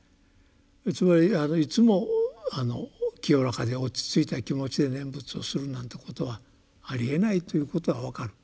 つまりいつも清らかで落ち着いた気持ちで念仏をするなんてことはありえないということは分かる。